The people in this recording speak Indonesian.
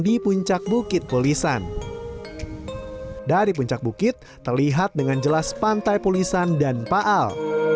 di puncak bukit pulisan dari puncak bukit terlihat dengan jelas pantai pulisan dan paal